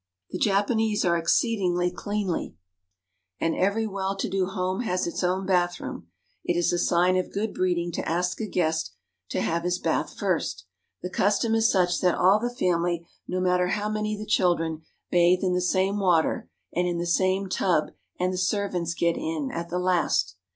The Japanese are exceedingly cleanly, and every well to do home has its own bathroom. It is a sign of good breed ing to ask a guest to have his bath first. The custom is such that all the family, no matter how many the children, bathe in the same water and in the same tub and the servants get in at the last.